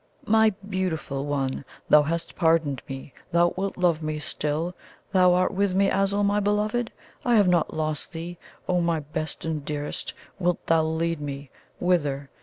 "My beautiful one! Thou HAST pardoned me? Thou wilt love me still? Thou art with me, Azul, my beloved? I have not lost thee, oh my best and dearest! Wilt thou lead me? Whither?